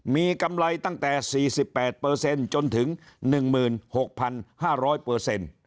มีกำไรตั้งแต่สี่สิบแปดเปอร์เซ็นต์จนถึงหนึ่งหมื่นหกพันห้าร้อยเปอร์เซ็นต์